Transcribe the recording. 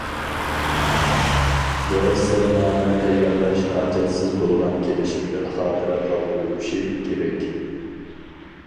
مۇرەسسەنامە تەييارلاش ھاجەتسىز بولغان كېلىشىمدىن خاتىرە قالدۇرۇلۇشى كېرەك.